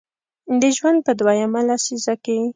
د ژوند په دویمه لسیزه کې